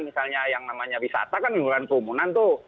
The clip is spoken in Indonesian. misalnya yang namanya wisata kan menimbulkan kerumunan tuh